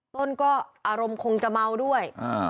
ต้นก็อารมณ์คงจะเมาด้วย